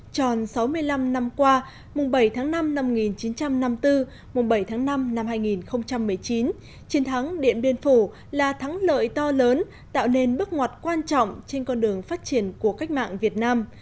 tròn sáu mươi năm năm qua mùng bảy tháng năm năm một nghìn chín trăm năm mươi bốn mùng bảy tháng năm năm hai nghìn một mươi chín chiến thắng điện biên phủ là thắng lợi to lớn tạo nên bước ngoặt quan trọng trên con đường phát triển của cách mạng việt nam